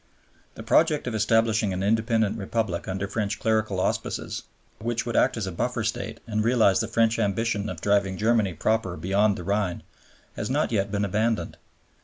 The project of establishing an independent Republic under French clerical auspices, which would act as a buffer state and realize the French ambition of driving Germany proper beyond the Rhine, has not yet been abandoned.